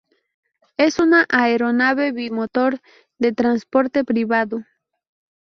Es una aeronave bimotor de transporte privado.